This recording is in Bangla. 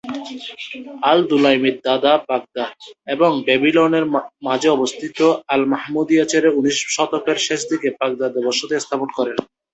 আল-দুলাইমির দাদা বাগদাদ এবং ব্যাবিলনের মাঝে অবস্থিত আল-মাহমুদিয়া ছেড়ে উনিশ শতকের শেষদিকে বাগদাদে বসতি স্থাপন করেন।